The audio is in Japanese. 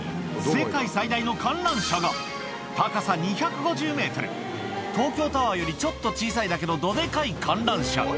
世界最大の観覧車が、高さ２５０メートル、東京タワーより、ちょっと小さいだけのどでかい観覧車。